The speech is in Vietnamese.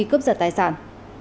cướp giật tài sản